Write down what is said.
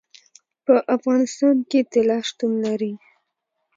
په افغانستان کې طلا شتون لري.